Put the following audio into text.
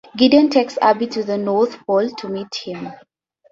Gideon takes Abbie to the North Pole to meet him.